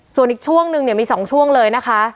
ส่วนอีกช่วงนึงเนี่ยมี๒ช่วงเลยนะคะ